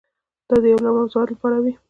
دا د یو لړ موضوعاتو لپاره وي.